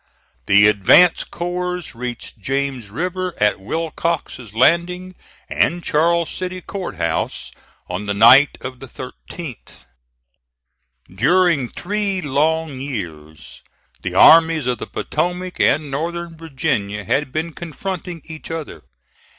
The advance corps reached James River, at Wilcox's Landing and Charles City Court House, on the night of the 13th. During three long years the Armies of the Potomac and Northern Virginia had been confronting each other.